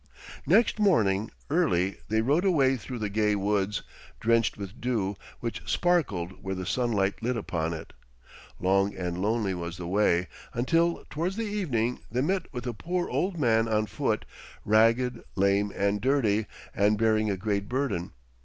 Next morning early they rode away through the gay woods, drenched with dew, which sparkled where the sunlight lit upon it. Long and lonely was the way, until towards the evening they met with a poor old man on foot, ragged, lame, and dirty, and bearing a great burden.